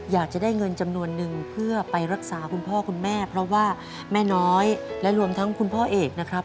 อยากจะได้เงินจำนวนนึงเพื่อไปรักษาคุณพ่อคุณแม่เพราะว่าแม่น้อยและรวมทั้งคุณพ่อเอกนะครับ